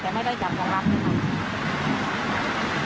แต่ไม่ได้จับรองรับนะครับ